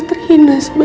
gue ngelakuin ini semua